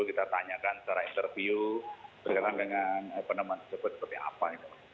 kita tanyakan secara interview berkenaan dengan peneman sebut seperti apa